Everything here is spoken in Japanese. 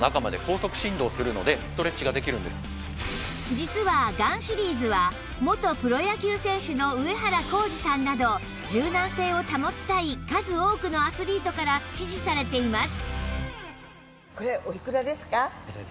実はガンシリーズは元プロ野球選手の上原浩治さんなど柔軟性を保ちたい数多くのアスリートから支持されています